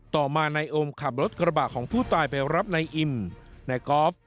ต่อมานายโอมขับรถกระบะของผู้ตายไปรับนายอิมนายกอล์ฟ